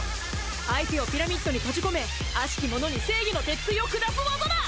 相手をピラミッドに閉じ込めあしき者に正義の鉄ついを下す技だ！